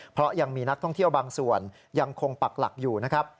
เพราะยังมีนักท่องเที่ยวบางส่วนยังคงปักหลักอยู่นะครับ